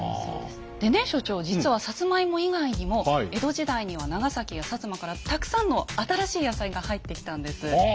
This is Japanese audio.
でね所長実はサツマイモ以外にも江戸時代には長崎や摩からたくさんの新しい野菜が入ってきたんです。